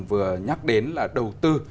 vừa nhắc đến là đầu tư